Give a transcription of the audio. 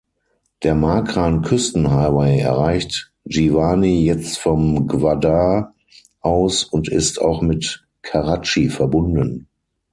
Der Makran-Küsten-Highway erreicht Jiwani jetzt von Gwadar aus und ist auch mit Karatschi verbunden.